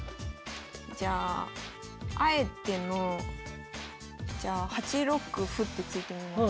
じゃああえてのじゃあ８六歩って突いてみます。